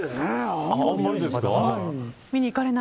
あんまりですね。